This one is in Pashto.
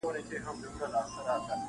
په بدل کي دي غوايي دي را وژلي-